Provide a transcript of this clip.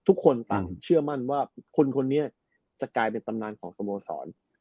ทุกคนต่างเชื่อมั่นว่าคนคนนี้จะกลายเป็นตำนานของสโมสร